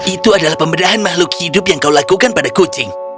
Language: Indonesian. itu adalah pembedahan makhluk hidup yang kau lakukan pada kucing